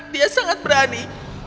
dia sangat berani